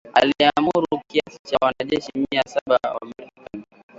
aliamuru kiasi cha wanajeshi mia saba wa Marekani